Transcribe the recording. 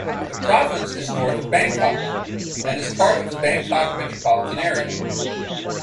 The province is north of Bangkok and is part of the Bangkok metropolitan area.